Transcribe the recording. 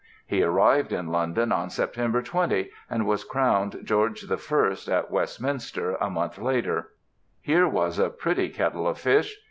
He arrived in London on September 20 and was crowned George I at Westminster a month later. Here was a pretty kettle of fish!